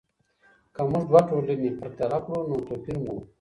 که موږ دوه ټولنې پرتله کړو نو توپیر مومو.